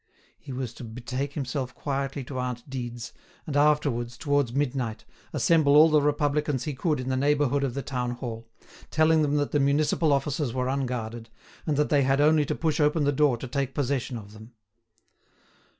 He was to betake himself quietly to aunt Dide's, and afterwards, towards midnight, assemble all the Republicans he could in the neighbourhood of the town hall, telling them that the municipal offices were unguarded, and that they had only to push open the door to take possession of them.